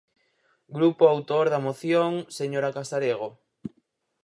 Grupo autor da moción, señora Casarego.